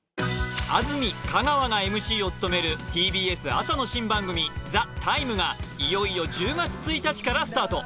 安住香川がＭＣを務めるＴＢＳ朝の新番組「ＴＨＥＴＩＭＥ，」がいよいよ１０月１日からスタート